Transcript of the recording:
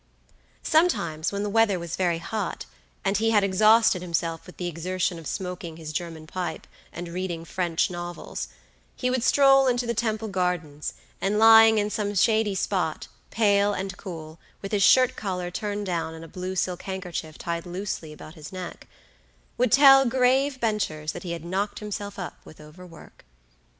Sometimes, when the weather was very hot, and he had exhausted himself with the exertion of smoking his German pipe, and reading French novels, he would stroll into the Temple Gardens, and lying in some shady spot, pale and cool, with his shirt collar turned down and a blue silk handkerchief tied loosely about his neck, would tell grave benchers that he had knocked himself up with over work.